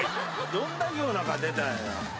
どんだけおなか出たんや。